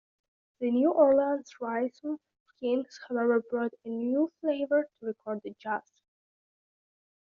The New Orleans Rhythm Kings, however, brought a new flavor to recorded jazz.